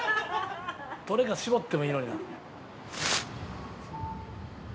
どれか絞ってもいいのにな。